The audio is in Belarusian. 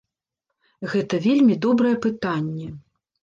Гэта вельмі добрае пытанне.